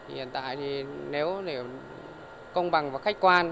hiện tại nếu công bằng và khách quan